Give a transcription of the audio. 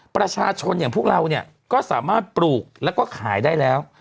ประชาชนอย่างพวกเราเนี่ยก็สามารถปลูกแล้วก็ขายได้แล้ว